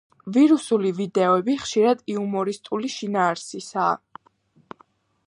ვირუსული ვიდეოები ხშირად იუმორისტული შინაარსისაა.